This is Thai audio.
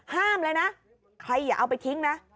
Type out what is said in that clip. ห้ามเลยนะใครอย่าเอาไปทิ้งนะ